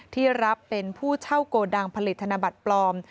ที่รับเป็นผู้เช่าโกดังผลิตธนบัตรปลอม